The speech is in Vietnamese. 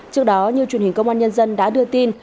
trước đó như truyền hình công an nhân dân đã đưa tin